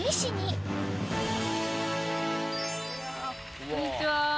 こんにちは。